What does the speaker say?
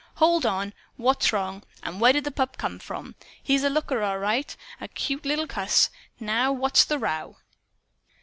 "Hold on! What's wrong? And where did the pup come from? He's a looker, all right a cute little cuss. What's the row?"